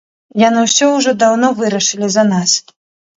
Яны ўсё ўжо даўно вырашылі за нас.